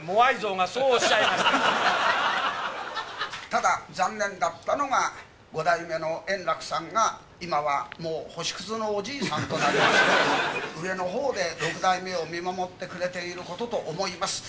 ただ、残念だったのが、五代目の圓楽さんが、今はもう、星くずのおじいさんとなりまして、上のほうで六代目を見守ってくれていることと思います。